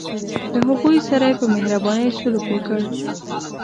له هغوی سره یې په مهربانۍ سلوک وکړ.